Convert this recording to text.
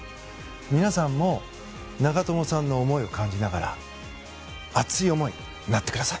皆さんも長友さんの思いを感じながら熱い思いになってください。